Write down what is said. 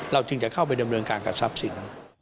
จึงจะเข้าไปดำเนินการกับทรัพย์สิน